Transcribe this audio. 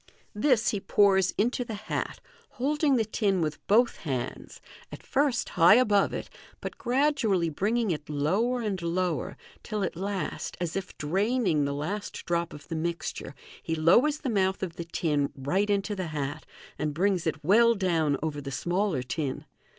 This he pours into the hat, holding the tin with both hands, at first high above it, but gradually bringing it lower and lower, till at last, as if draining the last drop of the mixture, he lowers the mouth of the tin right into the hat, and brings it well down over the smaller tin.